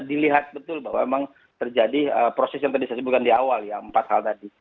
dilihat betul bahwa memang terjadi proses yang tadi saya sebutkan di awal ya empat hal tadi